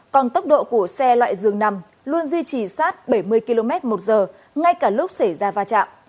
còn tốc độ của xe loại dường nằm luôn duy trì sát bảy mươi km một giờ ngay cả lúc xảy ra va chạm